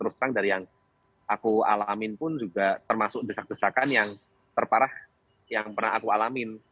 terus terang dari yang aku alamin pun juga termasuk desak desakan yang terparah yang pernah aku alamin